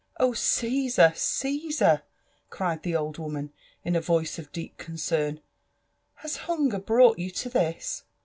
Oh, Caesar! Caesar I" cHed the old woman in a voice of deep concern, has hunger brou^t you to this!